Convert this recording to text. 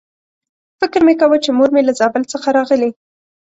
فکر مې کاوه چې مور مې له زابل څخه راغلې.